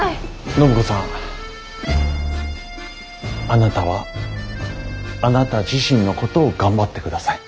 あなたはあなた自身のことを頑張ってください。